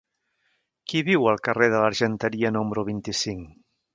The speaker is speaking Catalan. Qui viu al carrer de l'Argenteria número vint-i-cinc?